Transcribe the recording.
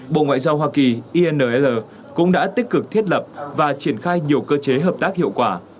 bộ ngoại giao hoa kỳ inr cũng đã tích cực thiết lập và triển khai nhiều cơ chế hợp tác hiệu quả